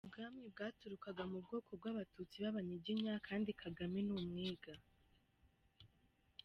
Ubwami bwaturukaga mu bwoko bw’abatutsi b’abanyiginya kandi Kagame ni umwega.